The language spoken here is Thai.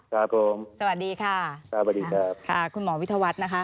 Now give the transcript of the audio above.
ครับผมสวัสดีค่ะคุณหมอวิทยาวัฒน์นะคะ